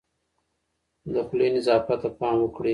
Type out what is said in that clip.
د خولې نظافت ته پام وکړئ.